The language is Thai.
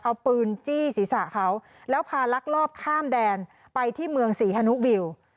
เอาปืนจี้ศีรษะเขาแล้วพาลักลอบข้ามแดนไปที่เมืองศรีฮนุวิว